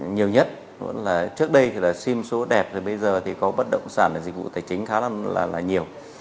nhiều nhất trước đây là sim số đẹp bây giờ thì có bất động sản dịch vụ tài chính khá là nhiều